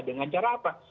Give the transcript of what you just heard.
dengan cara apa